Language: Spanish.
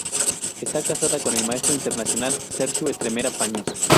Está casada con el maestro internacional Sergio Estremera Paños.